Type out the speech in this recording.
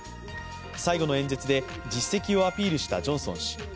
最後の演説で実績をアピールしたジョンソン氏。